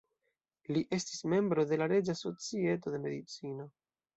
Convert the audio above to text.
Li estis membro de la "Reĝa Societo de Medicino".